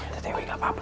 tante dewi gak apa apa